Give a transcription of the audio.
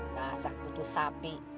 kasah kutu sapi